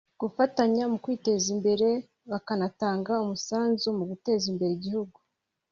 gufatanya mu kwiteza imbere bakanatanga umusanzu mu guteza imbere igihugu